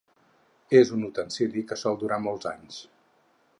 És un utensili que sol durar molts anys.